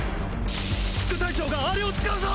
副隊長がアレを使うぞ！